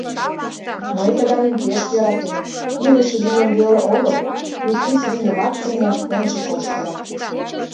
Мый тыгайым пеш йӧратем: илыш вийым веле огыл, пӱртӱс вийымат сеҥен, ончыко ошкылат...